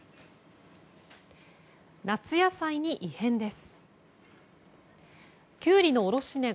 夏野菜に異変です。